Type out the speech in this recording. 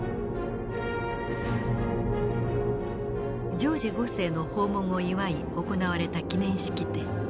ジョージ５世の訪問を祝い行われた記念式典。